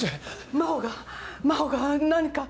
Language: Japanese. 真帆が真帆が何か？